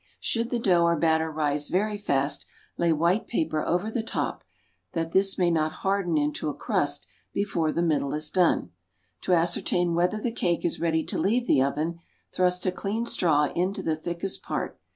Should the dough or batter rise very fast lay white paper over the top, that this may not harden into a crust before the middle is done. To ascertain whether the cake is ready to leave the oven, thrust a clean straw into the thickest part.